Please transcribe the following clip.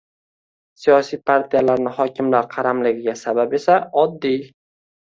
Siyosiy partiyalarni hokimlar qaramligiga sabab esa oddiy: